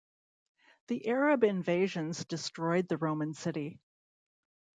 The Arab invasions destroyed the Roman city.